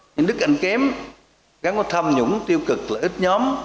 những đức anh kém gắn có thâm nhũng tiêu cực lợi ích nhóm